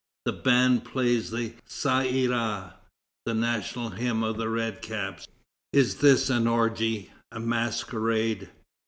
The band plays the Ça ira, the national hymn of the red caps. Is this an orgy, a masquerade?